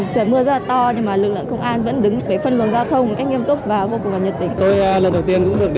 tham gia phương án bảo đảm an ninh trật tự